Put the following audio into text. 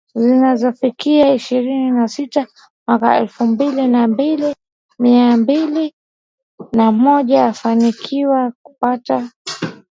zinazofikia ishirini na sita Mwaka elfu mbili na elfu mbili na moja alifanikiwa kupata